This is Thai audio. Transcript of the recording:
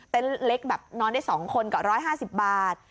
เล็กแบบนอนได้๒คนกับ๑๕๐บาท